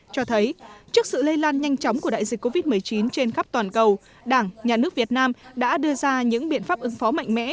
cho thấy trước sự lây lan nhanh chóng của đại dịch covid một mươi chín trên khắp toàn cầu đảng nhà nước việt nam đã đưa ra những biện pháp ứng phó mạnh mẽ